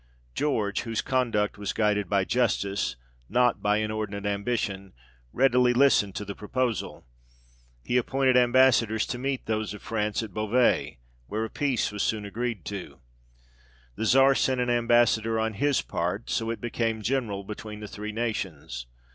George, whose conduct was guided by justice, not by in ordinate ambition, readily listened to the proposal. He appointed ambassadors to meet those of France at Beauvais, where a peace was soon agreed to. The Czar 30 THE REIGN OF GEORGE VI. sent an ambassador on his part, so it became general between the three nations.